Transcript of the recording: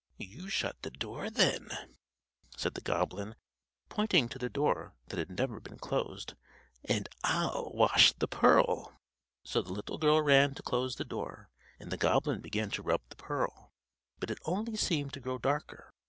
"You shut the door, then," said the goblin, pointing to the door that had never been closed, "and I'll wash the pearl." So the little girl ran to close the door, and the goblin began to rub the pearl; but it only seemed to grow darker.